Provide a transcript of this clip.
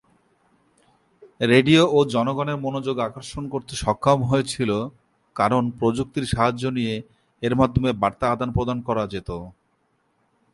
Radio জনগণের মনোযোগ আকর্ষণ করতে সক্ষম হয়েছিল কারণ প্রযুক্তির সাহায্য নিয়ে এর মাধ্যমে বার্তা আদান প্রদান করা যেত।